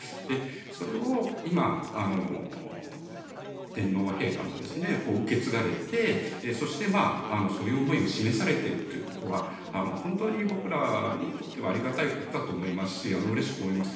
それを今、天皇陛下も受け継がれてそして、そういう思いを示されているということは本当に僕らにとってはありがたいことだと思いますしうれしく思います。